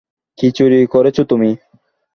কী চুরি করেছো তুমি?